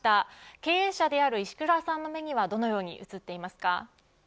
経営者である石倉さんの目にはどのように映っていますか。